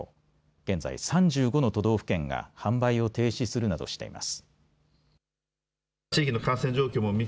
現在３５の都道府県が販売を停止するなどしています。